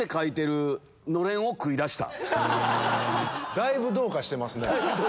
だいぶどうかしてますね。